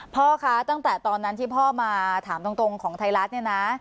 พ่อคะตั้งแต่ตอนนั้นที่พ่อมาถามตรงของไทยรัฐเนี่ยนะ